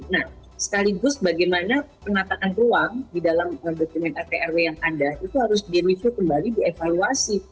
nah sekaligus bagaimana penataan ruang di dalam dokumen atrw yang ada itu harus di review kembali dievaluasi